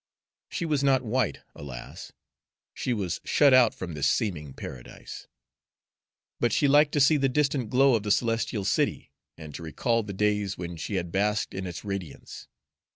She was not white, alas! she was shut out from this seeming paradise; but she liked to see the distant glow of the celestial city, and to recall the days when she had basked in its radiance.